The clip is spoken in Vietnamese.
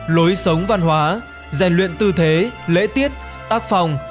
lối sống văn hóa rèn luyện tư thế lễ tiết tác phòng